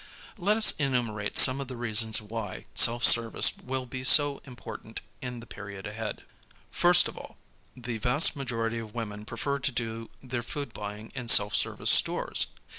Let us enumerate some of the reasons why self service will be so important in the period ahead: First of all, the vast majority of women prefer to do their food buy ing in self service stores.